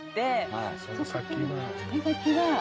その先は？